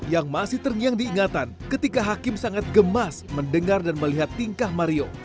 yang masih terngiang diingatan ketika hakim sangat gemas mendengar dan melihat tingkah mario